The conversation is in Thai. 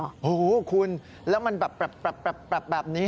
โอ้โฮคุณแล้วมันแบบนี้